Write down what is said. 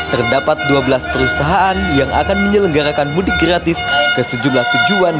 terdapat dua belas perusahaan yang akan menyelenggarakan mudik gratis ke sejumlah tujuan